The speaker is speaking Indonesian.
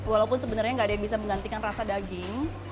walaupun sebenarnya nggak ada yang bisa menggantikan rasa daging